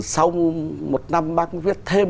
sau một năm bác viết thêm